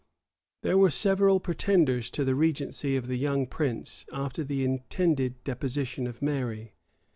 [*] There were several pretenders to the regency of the young prince after the intended deposition of Mary.